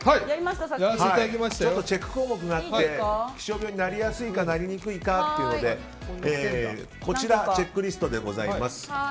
ちゃんとチェック項目があって気象病になりやすいかなりにくいかというのでこちらチェックリストでございます。